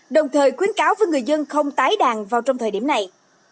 đồng thời khuyến cáo với người dân không tái đàn vào trong thời điểm này